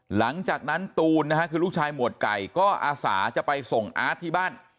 หลังจากนั้นตูนนะฮะคือลูกชายหมวดไก่ก็อาสาจะไปส่งอาร์ตที่บ้าน